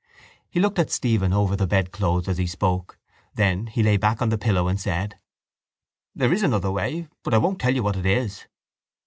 He looked at Stephen over the bedclothes as he spoke. Then he lay back on the pillow and said: —There is another way but I won't tell you what it is.